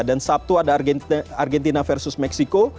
dan sabtu ada argentina versus meksiko